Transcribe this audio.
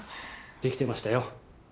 できてましたよ。